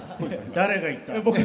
誰が言った。